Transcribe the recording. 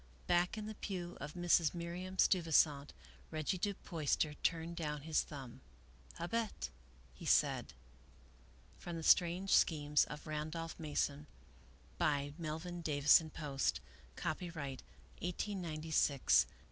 Back in the pew of Mrs. Miriam Steuvisant, Reggie Du Puyster turned down his thumb. " Habetl" he said. From " The Strange Schemes of Randolph Mason," by Melville Davisson Post. Copyright, 1896, by G. P.